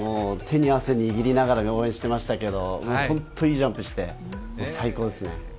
手に汗握りながら応援していましたけど、本当にいいジャンプして、最高ですね。